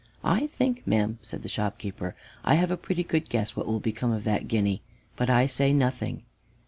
"I think, madam," said the shopkeeper, "I have a pretty good guess what will become of that guinea, but I say nothing."